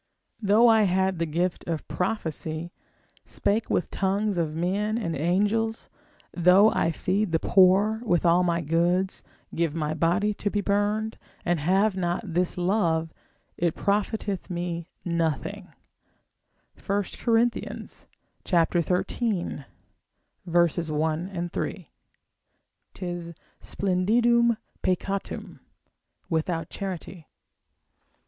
Though I had the gift of prophecy, spake with tongues of men and angels, though I feed the poor with all my goods, give my body to be burned, and have not this love, it profiteth me nothing, 1 Cor. xiii. 1, 3. 'tis splendidum peccatum, without charity.